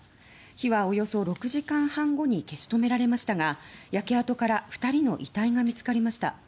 火はおよそ６時間半後に消し止められましたが焼け跡から２人の遺体が見つかりました。